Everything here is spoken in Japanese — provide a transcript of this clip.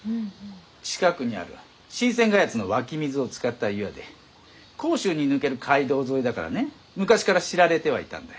近くにある神泉谷の湧き水を使った湯屋で甲州に抜ける街道沿いだからね昔から知られてはいたんだよ。